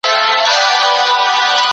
چاپیریال ته زیان رسولو څخه ډډه وکړئ.